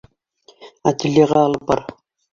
Ательеға алып бар.